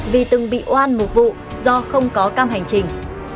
vì từng bị oan một vụ do không có cam hành trình